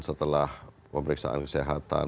setelah pemeriksaan kesehatan